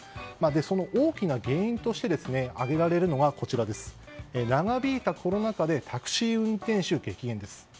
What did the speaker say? その大きな原因として挙げられるのが長引いたコロナ禍でタクシー運転手激減です。